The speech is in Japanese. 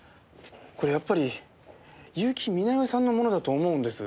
これやっぱり結城美奈世さんのものだと思うんです。